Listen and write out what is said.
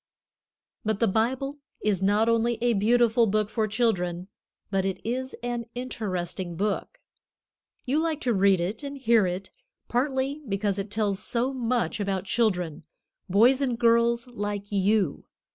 But the Bible is not only a beautiful book for children, but it is an interesting book. You like to read it and hear it, partly because it tells so much about children, boys and girls like you.